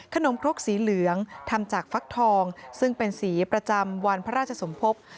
ครกสีเหลืองทำจากฟักทองซึ่งเป็นสีประจำวันพระราชสมภพ